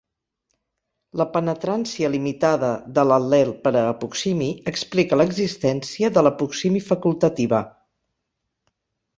La penetrància limitada de l’al·lel per a apomixi explica l’existència de l’apomixi facultativa.